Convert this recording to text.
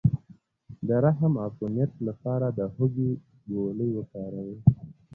د رحم د عفونت لپاره د هوږې ګولۍ وکاروئ